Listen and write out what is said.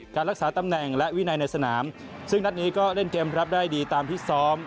การรักษาตำแหน่งและวินัยในสนามซึ่งนัดนี้ก็เล่นเกมรับได้ดีตามที่ซ้อม